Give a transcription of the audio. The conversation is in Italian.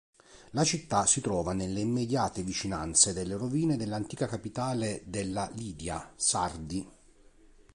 La città si trova nelle immediate vicinanze delle rovine dell'antica capitale della Lidia, Sardi.